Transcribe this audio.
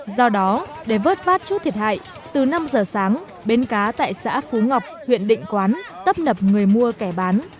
do đó để vớt vát chút thiệt hại từ năm giờ sáng bến cá tại xã phú ngọc huyện định quán tấp nập người mua kẻ bán